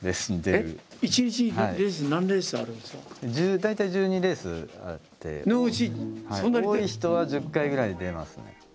大体１２レースあって多い人は１０回ぐらい出ますね。